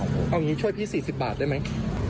เอาอย่างนี้ช่วยพี่๔๐บาทได้ไหม